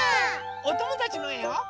おともだちのえを。